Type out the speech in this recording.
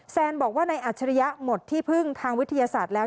แซนบอกว่าในอัจฉริยะหมดที่พึ่งทางวิทยาศาสตร์แล้ว